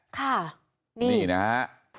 ค่ะนี่นะฮะ